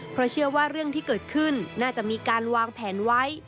เพราะเชื่อว่าเรื่องที่เกิดขึ้นน่าจะมีการวางแผนไว้